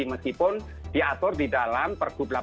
meskipun diatur di dalam pergub delapan puluh